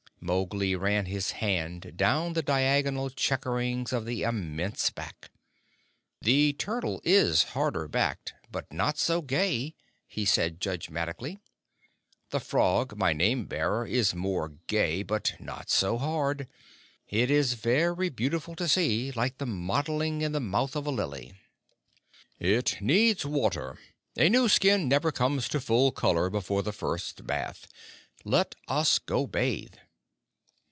Mowgli ran his hand down the diagonal checkerings of the immense back. "The Turtle is harder backed, but not so gay," he said judgmatically. "The Frog, my name bearer, is more gay, but not so hard. It is very beautiful to see like the mottling in the mouth of a lily." "It needs water. A new skin never comes to full color before the first bath. Let us go bathe."